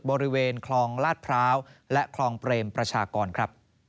บริเวณคลองลาดพร้าวและคลองเปรมประชากรครับ